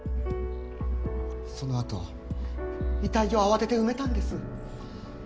そのあと遺体を慌てて埋めたんです。